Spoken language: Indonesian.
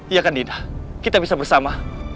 iya kan dinda kita bisa bersama